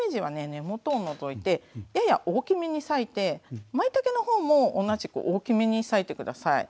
根元を除いてやや大きめに裂いてまいたけの方も同じく大きめに裂いて下さい。